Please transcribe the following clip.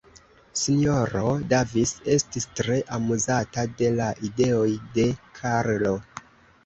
S-ro Davis estis tre amuzata de la ideoj de Karlo.